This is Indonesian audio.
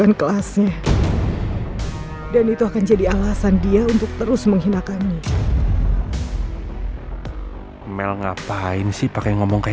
aku yang ngerusak